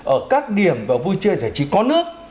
ở các điểm vui chơi giải trí có nước